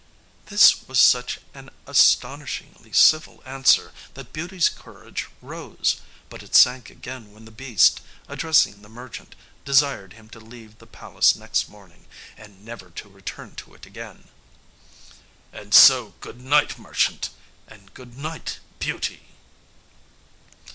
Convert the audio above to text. This was such an astonishingly civil answer that Beauty's courage rose; but it sank again when the beast, addressing the merchant, desired him to leave the palace next morning, and never return to it again. "And so good night, merchant. And good night, Beauty."